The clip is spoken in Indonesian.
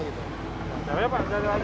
jatuh ya pak